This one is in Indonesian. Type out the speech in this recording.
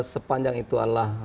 sepanjang itu adalah